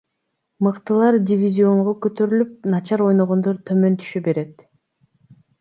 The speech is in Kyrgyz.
Мыктылар дивизионго көтөрүлүп, начар ойногондор төмөн түшө берет.